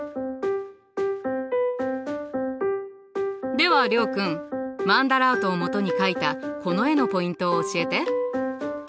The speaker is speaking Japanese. では諒君マンダラートをもとに描いたこの絵のポイントを教えて。